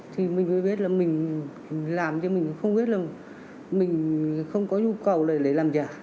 thì mình mới biết là mình làm cho mình không biết là mình không có nhu cầu để làm giả